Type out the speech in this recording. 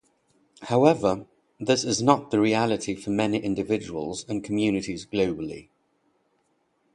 However, this is not the reality for many individuals and communities globally.